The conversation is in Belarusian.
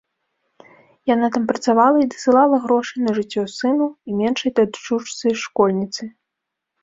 Яна там працавала і дасылала грошы на жыццё сыну і меншай дачушцы-школьніцы.